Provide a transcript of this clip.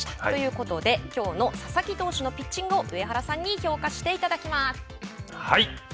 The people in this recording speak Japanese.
ということで、きょうの佐々木投手のピッチングを上原さんに評価していただきます。